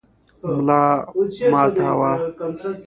ملامتاوه.